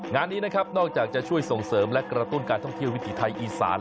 งานนี้นะครับนอกจากจะช่วยส่งเสริมและกระตุ้นการท่องเที่ยววิถีไทยอีสาน